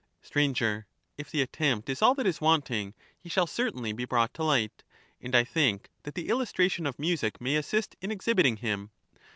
Str. If the attempt is all that is wanting, he shall certainly be brought to light; and I think that the illustration of music may assist in exhibiting him.